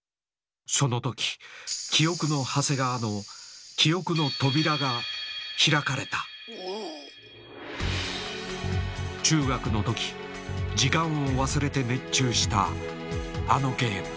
その時「記憶の長谷川」の記憶の扉が開かれた中学の時時間を忘れて熱中したあのゲーム。